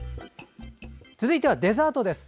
続いてはデザートです。